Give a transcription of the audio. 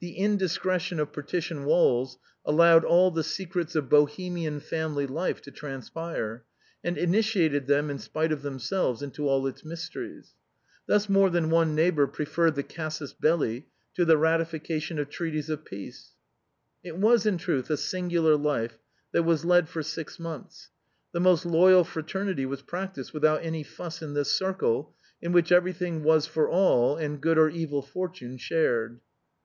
The indiscretion of partition walls allowed all the secrets of Bohemian family life to transpire, and in itiated them, in spite of themselves, into all its mysteries. Thus more than one neighbor preferred the casus belli to the ratifications of treaties of peace. It was, in truth, a singular life that was led for six months. The most loyal fraternity was practiced without any fuss in this circle, in which everything was for all, and good or evil fortune shared.